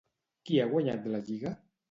Qui ha guanyat la lliga?